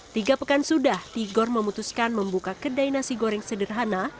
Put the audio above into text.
tiga pekan sudah tigor memutuskan membuka kedai nasi goreng sederhana